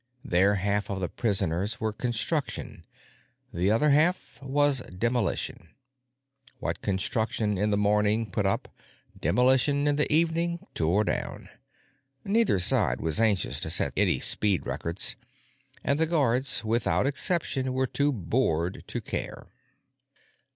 Their half of the prisoners were Construction; the other half was Demolition. What Construction in the morning put up, Demolition in the evening tore down. Neither side was anxious to set any speed records, and the guards without exception were too bored to care.